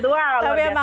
wah luar biasa